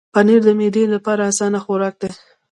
پنېر د معدې لپاره اسانه خوراک دی.